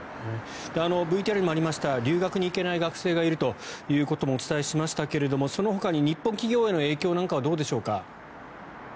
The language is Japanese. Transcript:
ＶＴＲにもありました留学に行けない学生がいるということもお伝えしましたけどもそのほかに日本企業への影響なんかはどうでしょうか。